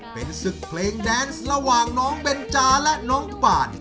เป็นศึกเพลงแดนซ์ระหว่างน้องเบนจาและน้องปาน